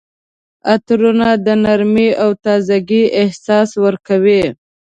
عطرونه د نرمۍ او تازګۍ احساس ورکوي.